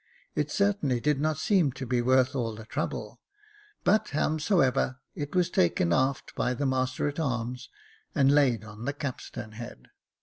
It sartainly did not seem to be worth all the trouble, but howsomever it was taken aft by the master at arms, and laid on the capstern head.